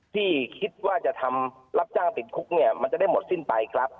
ที่คิดว่าจะทำรับจ้างติดคุกเนี่ยมันจะได้หมดสิ้นไปครับ